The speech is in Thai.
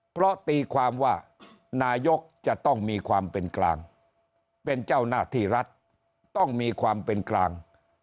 เพราะตีความว่านายกจะต้องมีความเป็นกลางเป็นเจ้าหน้าที่รัฐต้องมีความเป็นกลาง